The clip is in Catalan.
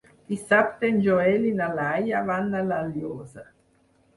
Dissabte en Joel i na Laia van a La Llosa.